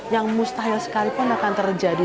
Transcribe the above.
yang mustahil sekalipun akan terjadi